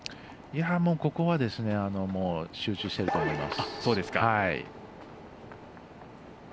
ここは集中していると思います。